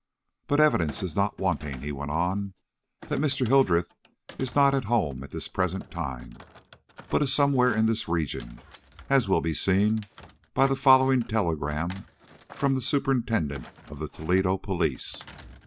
"But evidence is not wanting," he went on, "that Mr. Hildreth is not at home at this present time, but is somewhere in this region, as will be seen by the following telegram from the superintendent of the Toledo police."